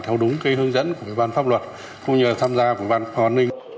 theo đúng hướng dẫn của ủy ban pháp luật cũng như tham gia của ủy ban quốc phòng an ninh